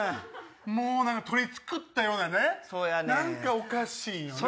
もう取り繕ったようなね何かおかしいよね。